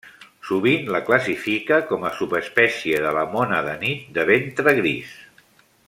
Sovint s la classifica com a subespècie de la mona de nit de ventre gris.